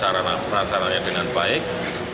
karena perasaannya dengan baik